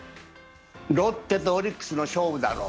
ロッテとオリックスの勝負だろう。